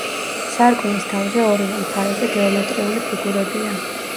სარკმლის თავზე ორივე მხარეზე გეომეტრიული ფიგურებია.